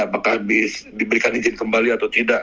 apakah diberikan izin kembali atau tidak